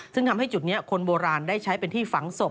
ซึ่งทำให้จุดนี้คนโบราณได้ใช้เป็นที่ฝังศพ